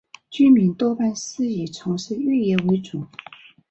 居民多半是以从事渔业为主。